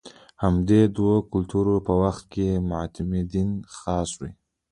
د همدې دوکتورا په وخت کې معتمدین خاص وو.